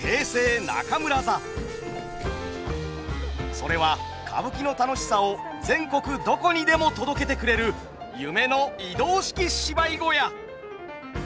それは歌舞伎の楽しさを全国どこにでも届けてくれる夢の移動式芝居小屋。